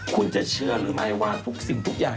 คุณจะเชื่อหรือไม่ว่าทุกสิ่งทุกอย่าง